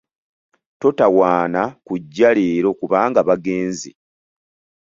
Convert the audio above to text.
Totawaana kujja leero kubanga bagenze.